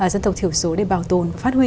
dân tộc thiểu số để bảo tồn phát huy